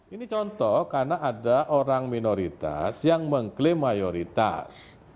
ini contoh karena ada orang minoritas yang mengklaim mayoritas